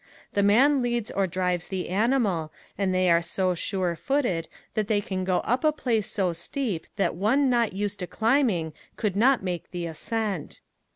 The man leads or drives the animal and they are so sure footed that they can go up a place so steep that one not used to climbing could not make the ascent.